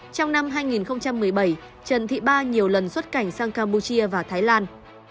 trong năm hai nghìn một mươi bảy trần thị ba nhiều lần xuất cảnh sang campuchia và thái lan